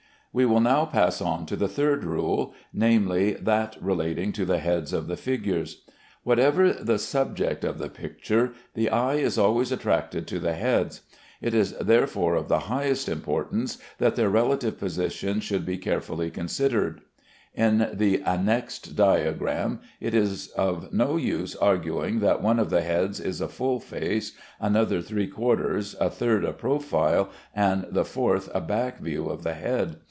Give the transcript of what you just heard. We will now pass on to the third rule, namely, that relating to the heads of the figures. Whatever the subject of the picture, the eye is always attracted to the heads. It is therefore of the highest importance that their relative positions should be carefully considered. In the annexed diagram, it is of no use arguing that one of the heads is a full face, another three quarters, a third a profile, and the fourth a back view of the head.